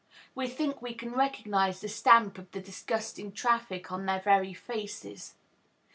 We think we can recognize the stamp of the disgusting traffic on their very faces.